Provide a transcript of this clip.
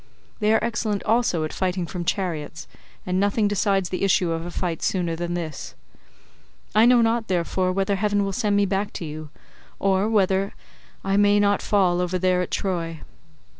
They are excellent also at fighting from chariots, and nothing decides the issue of a fight sooner than this. I know not, therefore, whether heaven will send me back to you, or whether I may not fall over there at Troy.